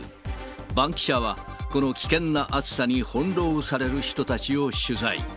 バンキシャは、この危険な暑さに翻弄される人たちを取材。